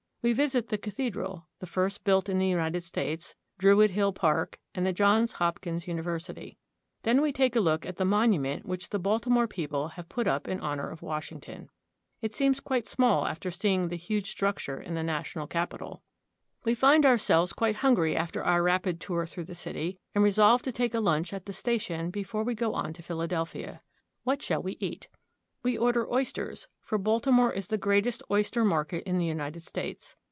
We visit the cathe dral, the first built in the United States, Druid Hill Park, and the Johns Hopkins University. Then we take a look at the monument which the Baltimore people have put up in honor of Washington. It seems quite small after see ing the huge structure in the national capital. CHESAPEAKE BAY — OYSTER FARMS. 47 We find ourselves quite hungry after our rapid tour through the city, and resolve to take a lunch at the station before we go on to Philadelphia. What shall we eat? We order oysters, for Baltimore is the greatest oyster market in the United States.